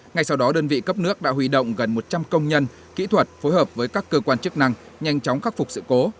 ngay sau đó đơn vị cấp nước đã huy động gần một trăm linh công nhân kỹ thuật phối hợp với các cơ quan chức năng nhanh chóng khắc phục sự cố